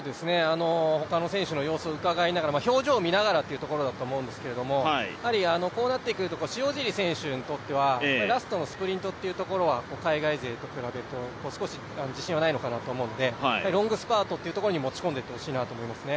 他の選手の様子をうかがいながら、表情を見ながらというところだと思うんですけど、こうなってくると塩尻選手にとってはラストのスプリントというところは海外勢と比べると少し自信はないのかなと思うので、ロングスパートに持ち込んでいってほしいと思いますね。